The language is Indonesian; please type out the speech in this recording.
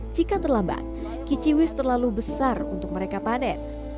jika terlambat kiciwis terlalu besar untuk mereka panen